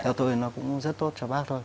theo tôi nó cũng rất tốt cho bác thôi